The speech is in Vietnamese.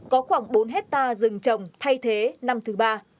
có khoảng bốn hectare rừng trồng thay thế năm thứ ba